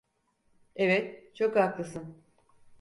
Evet, çok haklısın.